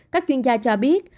các chuyên gia cho biết